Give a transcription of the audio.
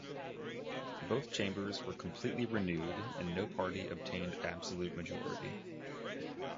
Both chambers were completely renewed and no party obtained absolute majority.